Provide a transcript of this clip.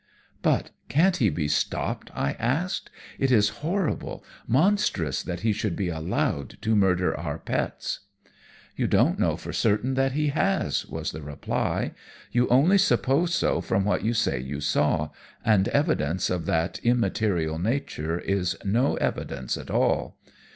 "'But can't he be stopped?' I asked. 'It is horrible, monstrous that he should be allowed to murder our pets.' "'You don't know for certain that he has,' was the reply, 'you only suppose so from what you say you saw, and evidence of that immaterial nature is no evidence at all.